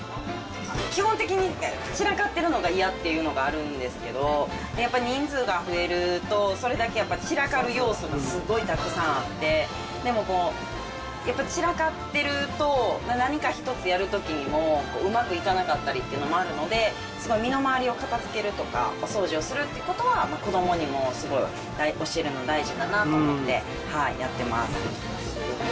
基本的に散らかっているのが嫌っていうのがあるんですけど、やっぱり人数が増えると、それだけやっぱ、散らかる要素もすごいたくさんあって、でもやっぱり散らかってると、何か一つやるときにも、うまくいかなかったりというのもあるので、身の回りを片づけるとか、お掃除をするっていうことは、子どもにもすごい教えるの大事だなと思ってやってます。